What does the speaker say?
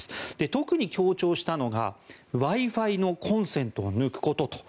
特に強調したのがＷｉ−Ｆｉのコンセントを抜くことと。